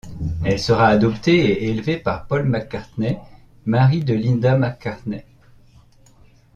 Elle sera adoptée et élevée par Paul McCartney, mari de Linda McCartney.